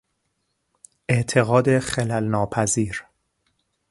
اعتقاد خلل ناپذیر